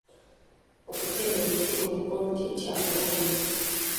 Okutema emiti mu bungi kya bulabe nnyo.